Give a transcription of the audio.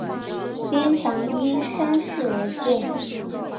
边墙依山势而建。